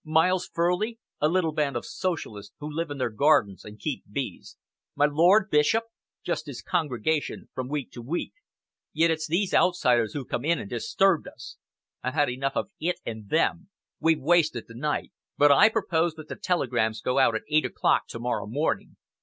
Miles Furley? A little band of Socialists who live in their gardens and keep bees! My lord Bishop? Just his congregation from week to week! Yet it's these outsiders who've come in and disturbed us. I've had enough of it and them. We've wasted the night, but I propose that the telegrams go out at eight o'clock tomorrow morning.